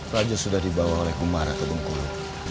raja sudah dibawa oleh kumara ke bengkulu